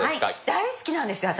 大好きなんですよ、私。